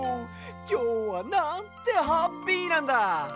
きょうはなんてハッピーなんだ！